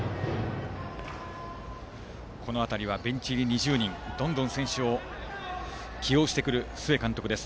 この辺りはベンチ入り２０人どんどん選手を起用してくる須江監督です。